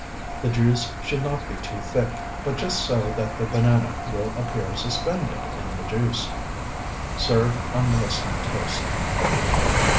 The juice should not be too thick, but just so that the banana will appear suspended in the juice. Serve on moistened toast.